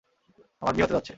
আমার বিয়ে হতে যাচ্ছে!